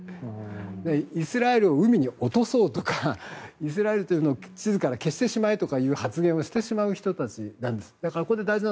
イスラエルを海に落とそうとかイスラエルを地図から消してしまえという発言をしてしまう人たちなんです。